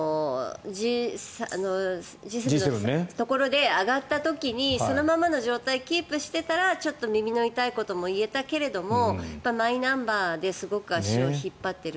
Ｇ７のところで上がった時にそのままの状態をキープしていたらちょっと耳の痛いことも言えたけれども、マイナンバーですごく足を引っ張っている。